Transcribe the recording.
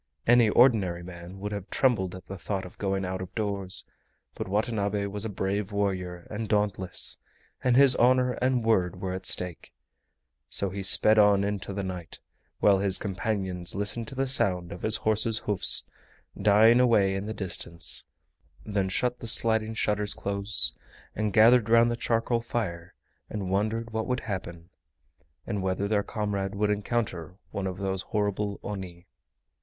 Any ordinary man would have trembled at the thought of going out of doors, but Watanabe was a brave warrior and dauntless, and his honor and word were at stake, so he sped on into the night, while his companions listened to the sound of his horse's hoofs dying away in the distance, then shut the sliding shutters close and gathered round the charcoal fire and wondered what would happen—and whether their comrade would encounter one of those horrible Oni.